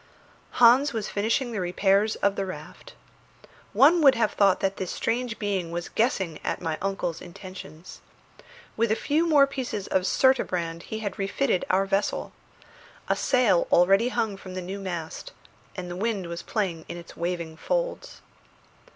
Hans was finishing the repairs of the raft. One would have thought that this strange being was guessing at my uncle's intentions. With a few more pieces of surturbrand he had refitted our vessel. A sail already hung from the new mast, and the wind was playing in its waving folds.